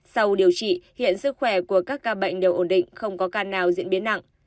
sau điều trị hiện sức khỏe của các ca bệnh đều ổn định không có ca nào diễn biến nặng